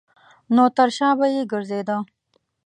نو تر شا به یې ګرځېده.